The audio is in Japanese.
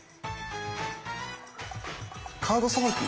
カードさばき